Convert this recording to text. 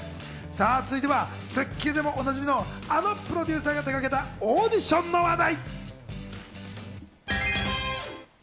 続いては『スッキリ』でもおなじみのあのプロデューサーが手がけた、オーディションの話題。